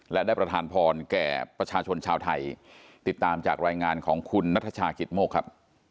และได้ประธานพรแก่ประชาชนชาวไทยติดตามจากรายงานของคุณนัทชากิตโมกครับ